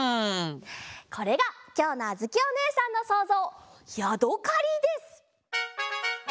これがきょうのあづきおねえさんのそうぞうヤドカリです！